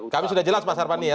kami sudah jelas pak sarpani ya